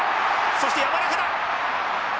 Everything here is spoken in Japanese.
そして山中だ！